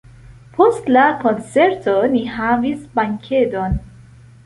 Post la koncerto ni havis bankedon.